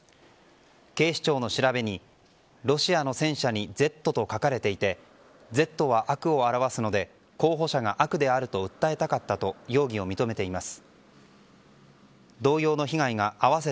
警視庁の調べに、ロシアの戦車に「Ｚ」と書かれていて「Ｚ」は悪を表すので候補者が悪であると訴えたかったと容疑を認めています。